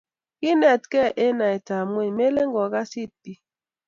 kiinetgei eng' naetab kwekeny melen kokas iit biik.